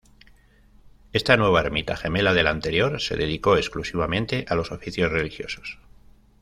Esta nueva ermita, gemela de la anterior, se dedicó exclusivamente a los oficios religiosos.